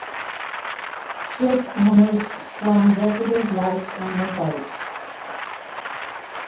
Ship owners strung decorative lights on their boats.